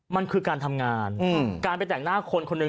มันคือการทำงานการไปแต่งหน้าคนคนหนึ่ง